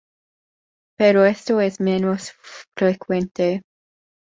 Pero esto es menos frecuente.